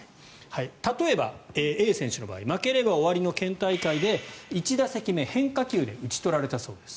例えば、Ａ選手の場合負ければ終わりの県大会で１打席目、変化球で打ち取られたそうです。